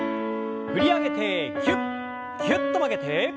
振り上げてぎゅっぎゅっと曲げて。